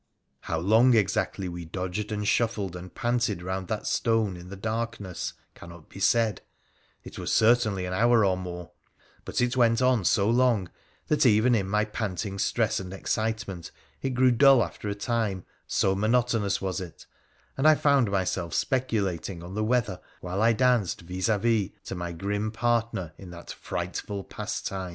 How long exactly we dodged and shuffled and panted round that stone in the darkness cannot be said— it was cer tainly an hour or more ; but it went on so long that even in my panting stress and excitement it grew dull after a time, so monotonous was it, and I found myself speculating on the weather while I danced vis d vis to my grim partner in that frightful pastime.